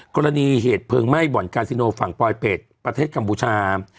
กรณีเหตุเพลิงไหม้บ่อนกาซิโนฝั่งปลอยเป็ดประเทศกัมพูชา